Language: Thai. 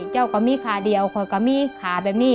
เจ้าก็มีขาเดียวก็ก็มีขาแบบนี้